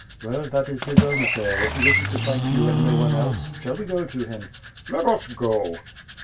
"Well, that is his own affair; if he wishes to fight you and no one else. Shall we go to him?" "Let us go."